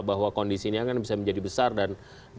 bahwa kondisi ini akan bisa menjadi besar dan